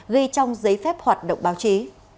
ghi trong giấy phép hoạt động báo chí